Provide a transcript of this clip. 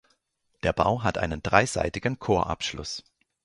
Der Bau hat einen dreiseitigen Chorabschluss.